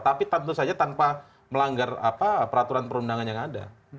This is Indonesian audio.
tapi tentu saja tanpa melanggar peraturan perundangan yang ada